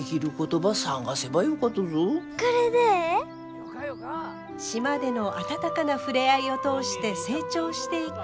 島での温かな触れ合いを通して成長していく舞。